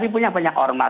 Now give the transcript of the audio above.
tapi punya banyak ormas